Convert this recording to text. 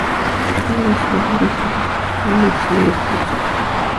La ceca de la ciudad alcanzaría a partir de este momento su mayor producción.